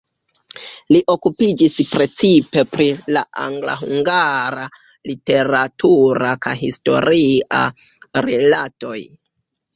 Li okupiĝis precipe pri la angla-hungara literatura kaj historia rilatoj.